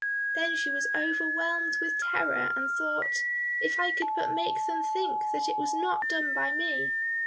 Then she was overwhelmed with terror, and thought, "If I could but make them think that it was not done by me!"